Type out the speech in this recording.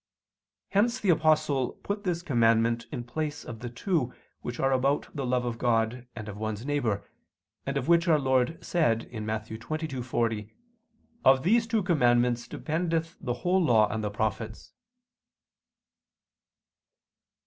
Hence the Apostle put this commandment in place of the two which are about the love of God and of one's neighbor, and of which Our Lord said (Matt. 22:40): "On these two commandments dependeth the whole Law and the prophets."